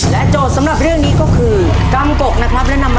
และโจทย์สำหรับเรื่องนี้ก็คือ